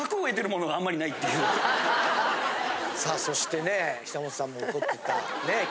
さあそしてね久本さんも怒ってたねえ